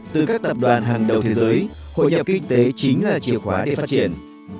từ các tập đoàn hàng đầu thế giới hội nhập kinh tế chính là chìa khóa để phát triển